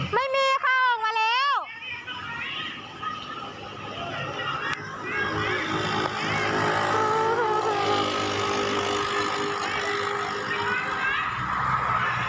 ไม่มีค่ะออกมาแล้ว